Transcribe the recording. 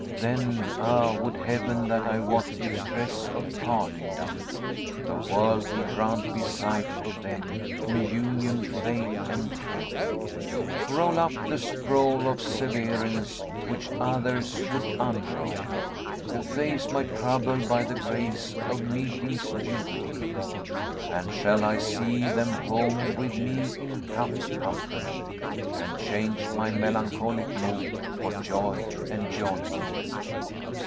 Then ah, would Heaven that I wot if stress of parting done, * The world will grant me sight of them in union fain and free— Roll up the scroll of severance which others would unroll— * Efface my trouble by the grace of meeting's jubilee! And shall I see them homed with me in cup company, * And change my melancholic mood for joy and jollity?"